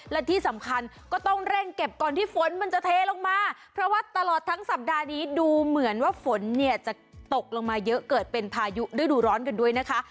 และที่สำคัญก็ต้องเร่งเก็บก่อนที่ฝนมันจะเทลงมาเพราะว่าตลอดทั้งสัปดาห์นี้ดูเหมือนว่าฝนเนี่ยจะตกลงมาเยอะเกิดเป็นพายุฤดูร้อนกันด้วยนะคะ